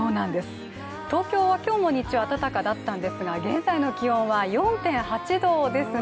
東京は今日も日中、暖かだったんですが現在の気温は４．８度ですね。